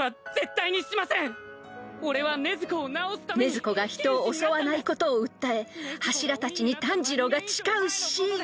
［禰豆子が人を襲わないことを訴え柱たちに炭治郎が誓うシーン］